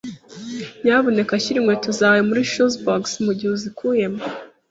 Nyamuneka shyira inkweto zawe muri shoebox mugihe uzikuyemo.